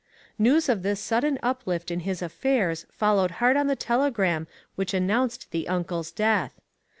News of this sudden uplift in his affairs followed hard on the telegram which an nounced the uncle's death.